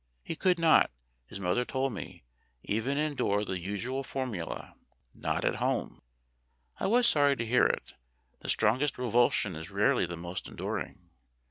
He could not, his mother told me, even endure the usual formula, "Not at home." I was sorry to hear it ; the strongest revulsion is rarely the most enduring.